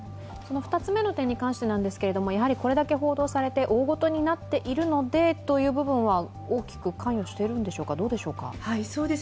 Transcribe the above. ２つ目の点に関してですけれどもこれだけ報道されて大ごとになっているのでという部分は大きく関与してるんでしょうか。